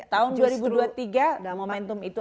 tahun dua ribu dua puluh tiga momentum itu